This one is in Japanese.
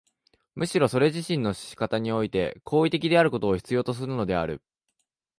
むしろそれ自身の仕方において行為的であることを必要とするのである。